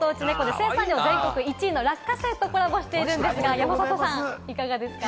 生産量が全国１位の落花生とコラボしているんですが、山里さん、いかがですか？